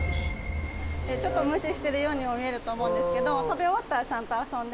ちょっと無視してるようにも見えると思うんですけど食べ終わったらちゃんと遊んで。